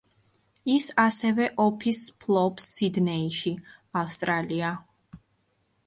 ის ასევე ოფისს ფლობს სიდნეიში, ავსტრალია.